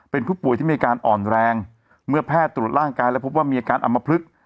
เป็นผู้ป่วยที่มีอาการอ่อนแรงเมื่อแพทย์ตรวจร่างกายแล้วพบว่ามีอาการอำมพลึก